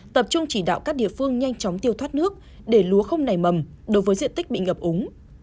tập trung chỉ đạo các địa phương nhanh chóng tiêu thoát nước để lúa không nảy mầm đối với diện tích bị ngập úng